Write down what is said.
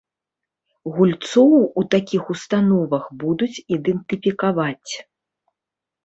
Гульцоў у такіх установах будуць ідэнтыфікаваць.